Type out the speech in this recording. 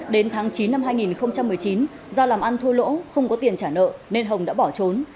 đến tháng chín năm hai nghìn một mươi chín do làm ăn thua lỗ không có tiền trả nợ nên hồng đã bỏ trốn